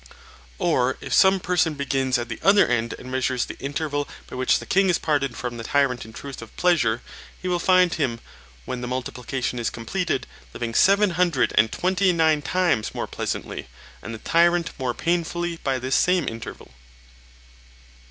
Or if some person begins at the other end and measures the interval by which the king is parted from the tyrant in truth of pleasure, he will find him, when the multiplication is completed, living 729 times more pleasantly, and the tyrant more painfully by this same interval.